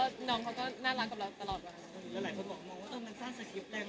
ที่น่าจะคิดอะไรไม่ดี